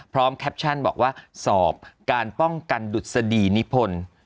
แคปชั่นบอกว่าสอบการป้องกันดุษฎีนิพล